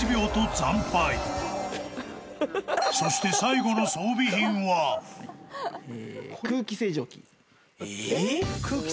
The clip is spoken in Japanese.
［そして最後の装備品は］え？